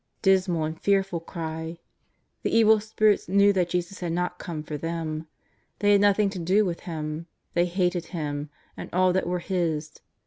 '' Dismal and fearful cry ! The evil spirits knew that Jesus had not come for them. They had nothing to do with Him. They hated Him and all that were His.